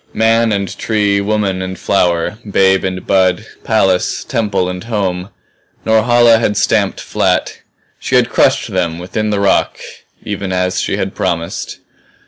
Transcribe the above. Man and tree, woman and flower, babe and bud, palace, temple and home Norhala had stamped flat. She had crushed them within the rock even as she had promised.